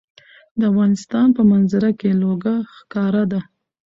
د افغانستان په منظره کې لوگر ښکاره ده.